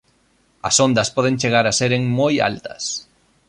As ondas poden chegar a seren moi altas.